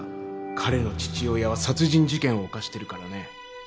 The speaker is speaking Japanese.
彼の父親は殺人事件を犯してるからね